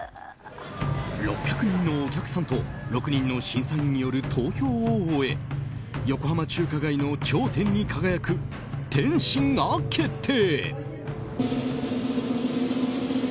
６００人のお客さんと６人の審査員による投票を終え横浜中華街の頂点に輝く点心が決定。